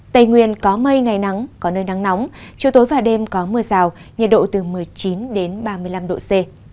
tây nguyên có mây ngày nắng có nơi nắng nóng chiều tối và đêm có mưa rào nhiệt độ từ một mươi chín đến ba mươi năm độ c